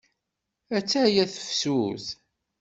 Atta-ya tefsut.